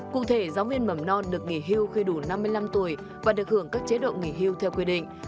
cụ thể giáo viên mầm non được nghỉ hưu khi đủ năm mươi năm tuổi và được hưởng các chế độ nghỉ hưu theo quy định